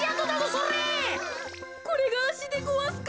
これがあしでごわすか。